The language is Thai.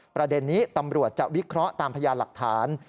ประเด็นนี้ตำรวจจะวิเคราะห์ตามพยานหลักฐาน